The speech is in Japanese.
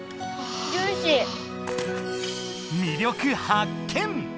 魅力発見！